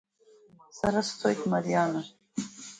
Сара сцоит, Мариана!